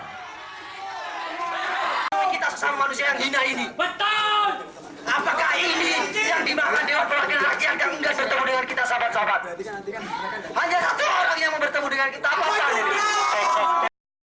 hanya satu orang yang mau bertemu dengan kita